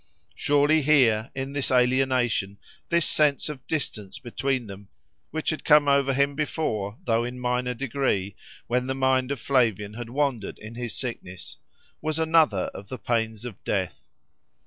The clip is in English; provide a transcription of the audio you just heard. Surely, here, in this alienation, this sense of distance between them, which had come over him before though in minor degree when the mind of Flavian had wandered in his sickness, was another of the pains of death.